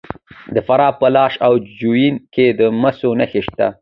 د فراه په لاش او جوین کې د مسو نښې شته.